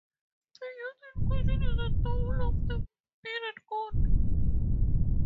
The youth in question is a double of the bearded god.